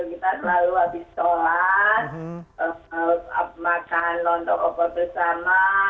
kita selalu habis sholat makan lontong opor bersama